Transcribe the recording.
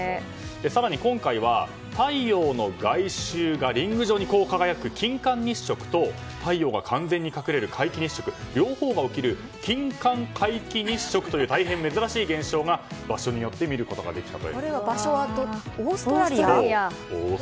更に今回は太陽の外周がリング状に輝く金環日食と太陽が完全に隠れる皆既日食の両方が起きる金環皆既日食という大変珍しい現象が場所によって見ることが場所はオーストラリア。